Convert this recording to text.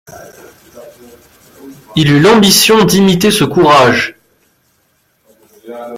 Il eut l'ambition d'imiter ce courage.